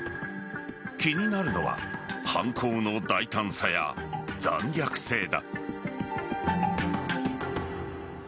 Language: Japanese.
気になるのは犯行の大胆さや残虐性だ。